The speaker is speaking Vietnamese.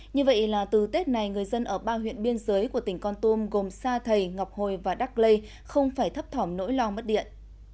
như vậy là từ tết này người dân ở ba huyện biên giới của tỉnh con tôm gồm sa thầy ngọc hồi và đắc lây không phải thấp thỏm nỗi lo mất điện